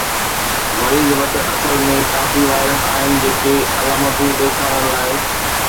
مريض وٽ اصل ۾ ڪافي وائرس آهن جيڪي علامتون ڏيکارڻ لاءِ